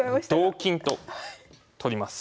同金と取ります。